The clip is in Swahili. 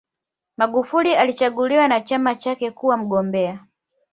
magufuli alichaguliwa na chama chake kuwa mgombea